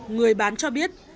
người bán cho biết